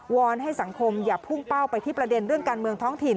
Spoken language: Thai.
อนให้สังคมอย่าพุ่งเป้าไปที่ประเด็นเรื่องการเมืองท้องถิ่น